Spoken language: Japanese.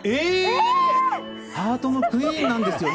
ハートのクイーンなんです。